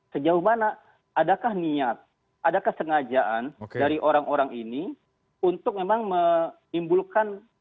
sejauh mana adakah niat ada kesengajaan dari orang orang ini untuk memang menimbulkan